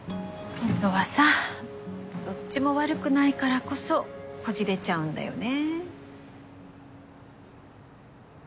ほんとはさどっちも悪くないからこそこじれちゃうんだよね。